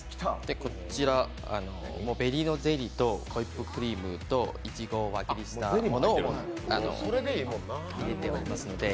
こちらベリーのゼリーとホイップクリームといちごを輪切りにしたものを入れてあります。